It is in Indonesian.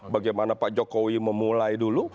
bagaimana pak jokowi memulai dulu